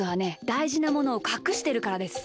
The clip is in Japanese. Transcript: だいじなものをかくしてるからです。